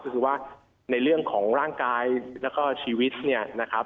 ก็คือว่าในเรื่องของร่างกายแล้วก็ชีวิตเนี่ยนะครับ